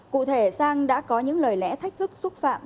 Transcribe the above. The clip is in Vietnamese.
cụ thể sang đã có những lời lẽ thách thức xúc phạm